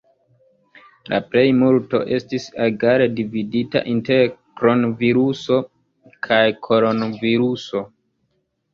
La plejmulto estis egale dividita inter kron-viruso kaj koron-viruso.